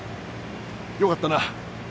よかったな。